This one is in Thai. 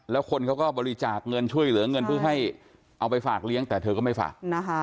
แล้วคนเขาก็บริจาคเงินช่วยเหลือเงินเพื่อให้เอาไปฝากเลี้ยงแต่เธอก็ไม่ฝาก